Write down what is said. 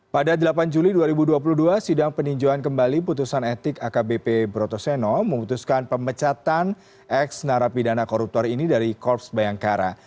pada delapan juli dua ribu dua puluh dua sidang peninjauan kembali putusan etik akbp brotoseno memutuskan pemecatan ex narapidana koruptor ini dari korps bayangkara